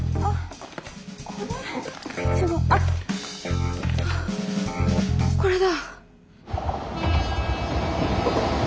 あっこれだ。